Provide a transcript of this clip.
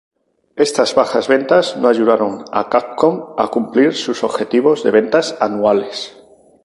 Estas bajas ventas no ayudaron a Capcom a cumplir sus objetivos de ventas anuales.